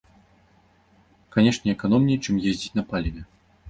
Канешне, эканомней, чым ездзіць на паліве.